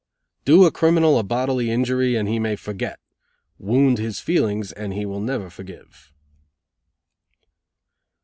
"Do a criminal a bodily injury and he may forget. Wound his feelings and he will never forgive."